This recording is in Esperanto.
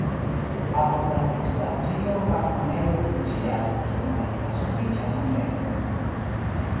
Apud la finstacio parkumejo funkcias, kio ne estas sufiĉa nuntempe.